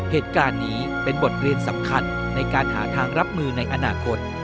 เหตุการณ์นี้เป็นบทเรียนสำคัญในการหาทางรับมือในอนาคต